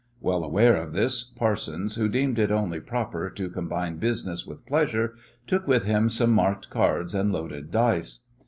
Well aware of this, Parsons, who deemed it only proper to combine business with pleasure, took with him some marked cards and loaded dice.